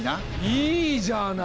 いいじゃない！